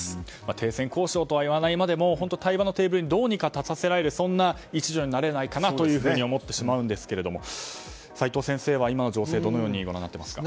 停戦交渉とはいわないまでも対話のテーブルにどうにか立たせられるような一助になれればと思ってしまうんですけれども齋藤先生は今の情勢どのようにご覧になっていますか。